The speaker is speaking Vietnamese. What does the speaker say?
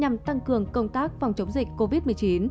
nhằm tăng cường công tác phòng chống dịch covid một mươi chín